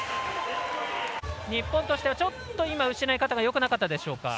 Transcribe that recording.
日本としては失い方がよくなかったでしょうか。